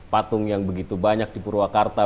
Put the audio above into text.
patung yang begitu banyak di purwakarta